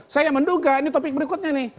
saya menduga ini topik berikutnya nih